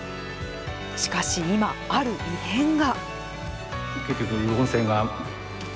しかし今ある異変が。